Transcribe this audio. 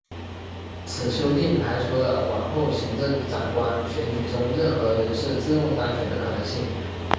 此修订排除了往后行政长官选举中任何人士自动当选的可能性。